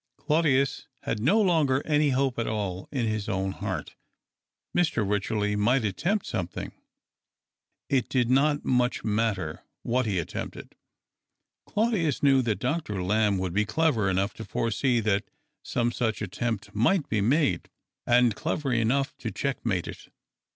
Claudius had no longer any hope at all in his own heart. Mr. Wycherley might attempt something : it did not much matter what he attempted ; Claudius knew that Dr. Lamb would be clever enough to foresee that some such attempt might be made, and clever enough to check mate it.